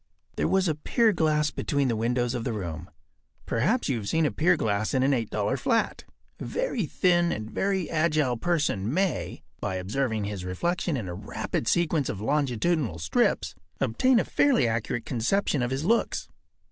There was a pier glass between the windows of the room. Perhaps you have seen a pier glass in an $8 flat. A very thin and very agile person may, by observing his reflection in a rapid sequence of longitudinal strips, obtain a fairly accurate conception of his looks.